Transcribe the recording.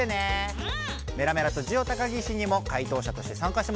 うん！